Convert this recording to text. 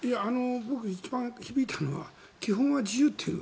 僕、一番響いたのは基本は自由という。